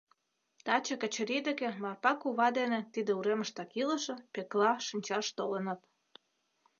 Таче Качырий деке Марпа кува дене тиде уремыштак илыше Пӧкла шинчаш толыныт.